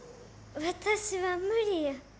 私は無理や。